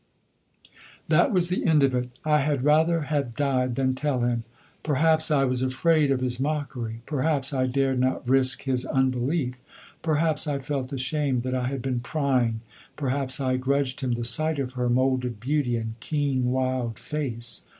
That was the end of it. I had rather have died than tell him. Perhaps I was afraid of his mockery, perhaps I dared not risk his unbelief, perhaps I felt ashamed that I had been prying, perhaps I grudged him the sight of her moulded beauty and keen wild face.